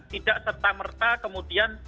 tidak serta merta kemudian